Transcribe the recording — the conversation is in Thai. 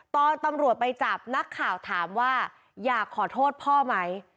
ตอนตำรวจไปจับนักข่าวถามว่าอยากขอโทษพ่อไหม